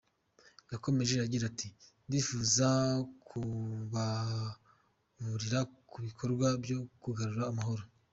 Yakomeje agira ati “Ndifuza kubaburira ku bikorwa byo kugarura amahoro.